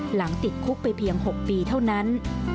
ติดคุกไปเพียง๖ปีเท่านั้น